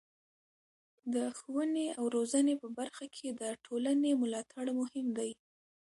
د ښوونې او روزنې په برخه کې د ټولنې ملاتړ مهم دی.